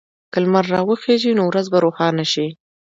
که لمر راوخېژي، نو ورځ به روښانه شي.